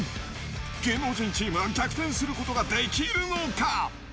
芸能人チームは逆転することができるのか。